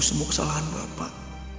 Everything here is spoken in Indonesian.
semua kesalahan bapak